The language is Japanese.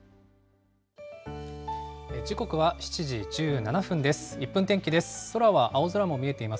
時刻は７時１７分です。